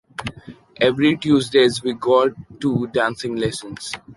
Every Tuesdays we go to dancing lessons.